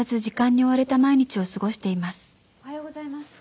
おはようございます。